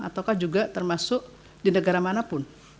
ataukah juga termasuk di negara manapun